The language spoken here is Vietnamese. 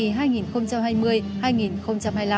chương trình đảng ủy công an trung ương